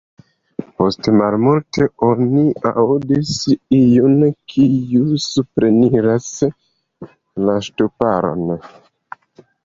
Post malmulte oni aŭdas iun, kiu supreniras la ŝtuparon.